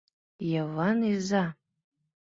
— Йыван иза!